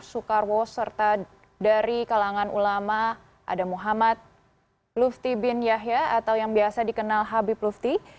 soekarwo serta dari kalangan ulama ada muhammad lufti bin yahya atau yang biasa dikenal habib lufti